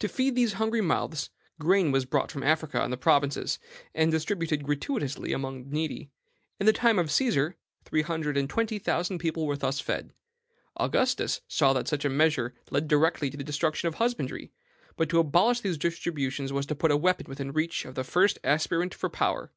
"To feed these hungry mouths, grain was brought from Africa and the provinces, and distributed gratuitously among the needy. In the time of Caesar, three hundred and twenty thousand people were thus fed. Augustus saw that such a measure led directly to the destruction of husbandry; but to abolish these distributions was to put a weapon within the reach of the first aspirant for power.